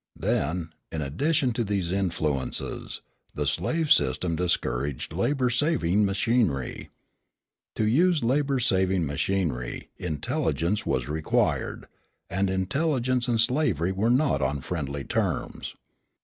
Then, in addition to these influences, the slave system discouraged labour saving machinery. To use labour saving machinery, intelligence was required; and intelligence and slavery were not on friendly terms.